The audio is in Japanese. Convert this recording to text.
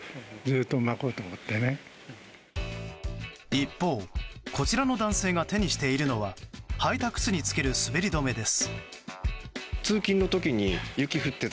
一方、こちらの男性が手にしているのは履いた靴につける滑り止めです。